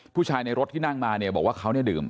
ในรถที่นั่งมาเนี่ยบอกว่าเขาเนี่ยดื่ม